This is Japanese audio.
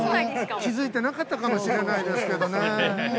気付いてなかったかもしれないですけどね。